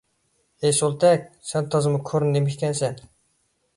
ھەي سولتەك، سەن تازىمۇ كور نېمە ئىكەنسەن!